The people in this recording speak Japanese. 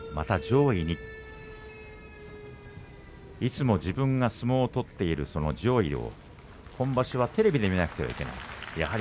いつも自分が相撲を取っている上位を今場所はテレビで見なくてはいけないやはり